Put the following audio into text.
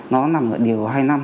nó nằm ở điều hai năm